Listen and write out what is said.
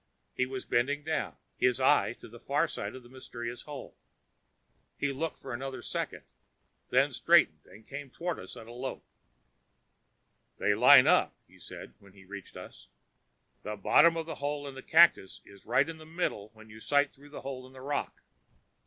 He was bending down, his eye to the far side of the mysterious hole. He looked for another second, then straightened and came toward us at a lope. "They line up," he said when he reached us. "The bottom of the hole in the cactus is right in the middle when you sight through the hole in the rock."